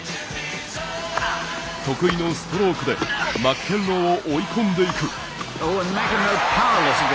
得意のストロークでマッケンローを追い込んでいく。